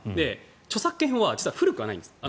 著作権法は古くはないんです。